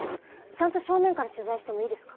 ちゃんと正面から取材してもいいですか？